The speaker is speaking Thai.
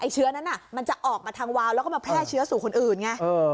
เชื้อนั้นมันจะออกมาทางวาวแล้วก็มาแพร่เชื้อสู่คนอื่นไง